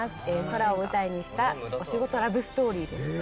空を舞台にしたお仕事ラブストーリーです。